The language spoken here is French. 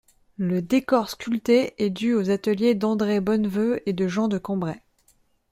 Le décor sculpté est dû aux ateliers d'André Beauneveu et de Jean de Cambrai.